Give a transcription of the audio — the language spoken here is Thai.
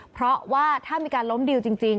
เพราะว่าถ้ามีการล้มดิวจริง